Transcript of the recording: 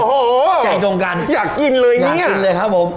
โอ้โหใจตรงกันอยากกินเลยเนี่ยกินเลยครับผม